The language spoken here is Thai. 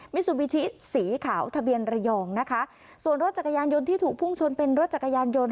ซูบิชิสีขาวทะเบียนระยองนะคะส่วนรถจักรยานยนต์ที่ถูกพุ่งชนเป็นรถจักรยานยนต์